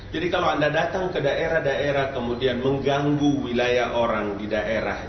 jadi kalau anda datang ke daerah daerah kemudian mengganggu wilayah orang di daerah